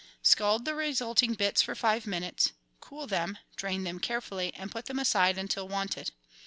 Scald the resulting bits for five minutes, cool them, drain them carefully, and put them aside until wanted.